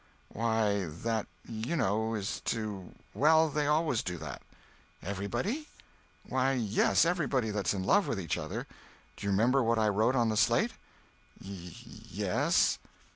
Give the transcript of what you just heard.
"Why, that, you know, is to—well, they always do that." "Everybody?" "Why, yes, everybody that's in love with each other. Do you remember what I wrote on the slate?" "Ye—yes."